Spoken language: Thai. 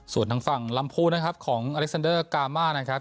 ส่วนทางฝั่งลำพูนะครับของอเล็กซันเดอร์กามานะครับ